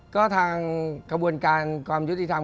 ก็ทางกระบวนการความยุติธรรม